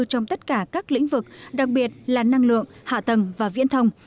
trong tất cả các lĩnh vực đặc biệt là năng lượng hạ tầng và viễn thông